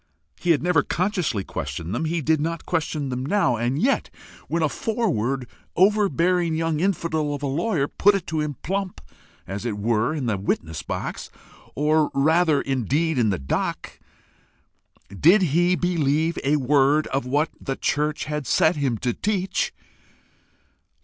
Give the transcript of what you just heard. He had never consciously questioned them; he did not question them now; and yet, when a forward, overbearing young infidel of a lawyer put it to him plump as if he were in the witness box, or rather indeed in the dock did he believe a word of what the church had set him to teach?